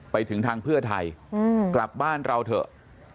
ไปถึงทางเพื่อไทยกลับบ้านเราเถอะ